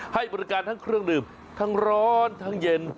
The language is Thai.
ให้บริการทั้งเครื่องดื่มทั้งร้อนทั้งเย็น